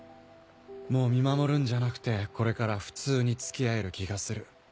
もう見守るんじゃなくてこれから普通に付き合える気がする。